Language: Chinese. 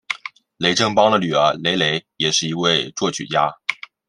雷振邦的女儿雷蕾也是一位作曲家。